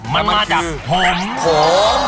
มันมาจากหอม